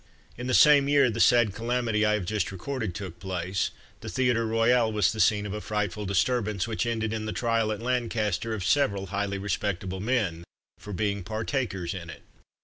In the same year the sad calamity I have just recorded took place, the Theatre Royal was the scene of a frightful disturbance, which ended in the trial at Lancaster of several highly respectable men, for being partakers in it.